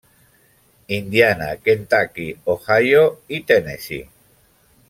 Indiana, Kentucky, Ohio i Tennessee.